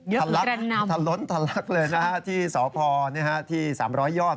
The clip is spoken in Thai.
เยอะกระนำทะล้นทะลักเลยนะครับที่สพที่๓๐๐ยอด